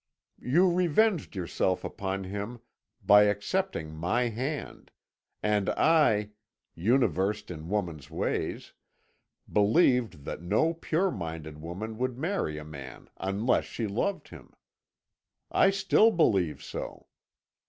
You revenged yourself upon him by accepting my hand, and I, unversed in woman's ways, believed that no pure minded woman would marry a man unless she loved him. I still believe so.